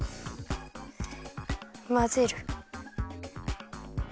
まぜる。